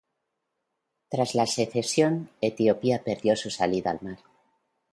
Tras la secesión, Etiopía perdió su salida al mar.